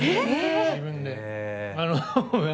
自分で。